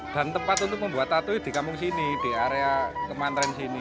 dan tempat untuk membuat tatu di kampung sini di area kementerian sini